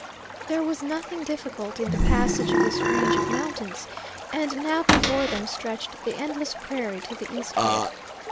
There was nothing difficult in the passage of this range of mountains, and now before them stretched the endless prairie to the eastward.